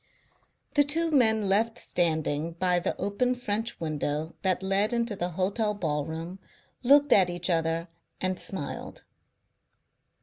The two men left standing by the open French window that led into the hotel ballroom looked at each other and smiled.